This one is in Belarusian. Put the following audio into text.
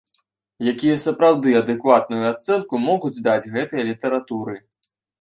Якія сапраўды адэкватную ацэнку могуць даць гэтай літаратуры.